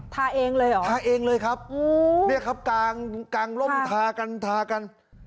ทาเองเลยเหรอทาเองเลยครับเนี่ยครับกางกางร่มทากันทากัน